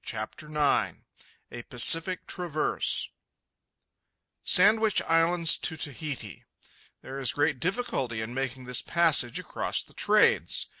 CHAPTER IX A PACIFIC TRAVERSE Sandwich Islands to Tahiti.—There is great difficulty in making this passage across the trades.